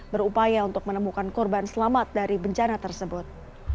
berupaya untuk menemukan korban selamat dari bencana tersebut